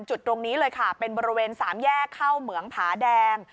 จุดตรงนี้เลยค่ะเป็นบริเวณสามแยกเข้าเหมืองผาแดง